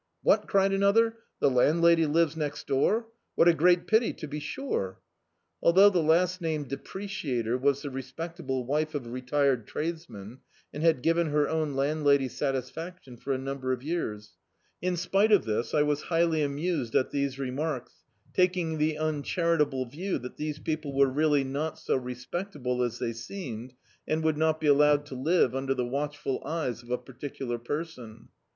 "What": cried another, "the landlacfy lives next door? , What a great pity, to be sure." Although the last named depreciator was the respectable wife of a retired tradesman, and had given her own landlady satisfaction for a number of years; in spite of this, I was highly amused at these remarks, taking the uncharitable view that these people were really not so respectable as they seemed, and would not be allowed to live under the watchful eyes of a particular person.